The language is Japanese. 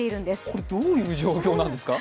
これどういう状況なんですか？